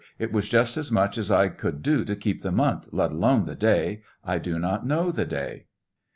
It was just as much as I could do to keep the month, let alone the day. I do not know the day.